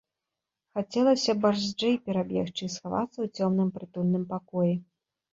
Хацелася барзджэй перабегчы і схавацца ў цёмным прытульным пакоі.